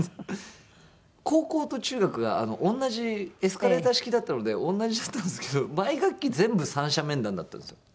高校と中学が同じエスカレーター式だったので同じだったんですけど毎学期全部三者面談だったんですよ。